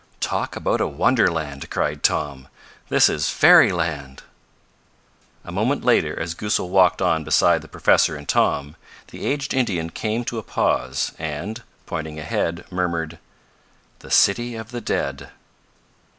"Talk about a wonderland!" cried Tom. "This is fairyland!" A moment later, as Goosal walked on beside the professor and Tom, the aged Indian came to a pause, and, pointing ahead, murmured: "The city of the dead!"